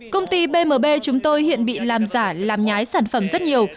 công ty bmb chúng tôi hiện bị làm giả làm nhái sản phẩm rất nhiều